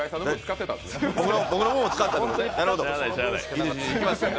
僕の分を使ったということですね。